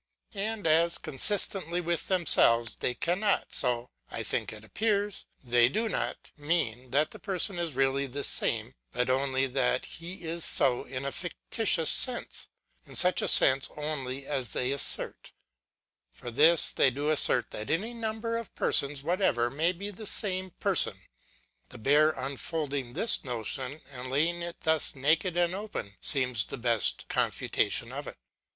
And as, consistently with themselves, they cannot, so, I think it appears, they do not, mean, that the person is really the same, but only that he is so in a fictitious sense ; in such a sense only as they assert, for this they do assert, that any number of persons whatever, may be the same person. The bare unfolding this notion, and laying it thus naked and open, seems the best confutation of it.